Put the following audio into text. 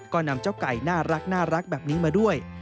ก็นำเจ้าไก่น่ารักแบบนี้มาด้วย